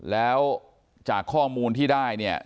แล้วจากข้อมูลที่ได้เนี่ย